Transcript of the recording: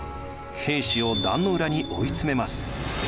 平氏を壇の浦に追い詰めます。